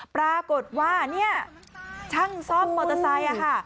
ปรากฏว่าเนี่ยช่างซ่อมมอเตอร์ไซค์ค่ะ